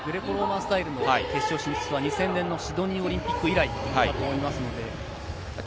スタイルの決勝進出は２０００年のシドニーオリンピック以来だと思います。